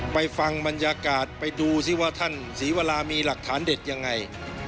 ไปฟังบรรยากาศไปดูสิว่าท่านศรีวรามีหลักฐานเด็ดยังไง